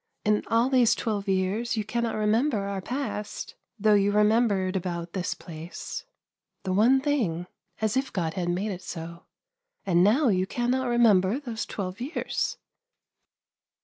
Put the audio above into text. " In all these twelve years you cannot remember our past, though you remembered about this place — the one thing, as if God had made it so — and now you cannot remember these twelve years."